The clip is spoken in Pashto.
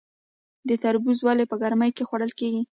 تربوز ولې په ګرمۍ کې خوړل کیږي؟